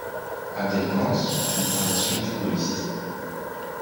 Abel Gance fut par la suite gaulliste.